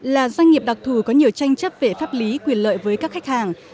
là doanh nghiệp đặc thù có nhiều tranh chấp về pháp lý quyền lợi với các khách hàng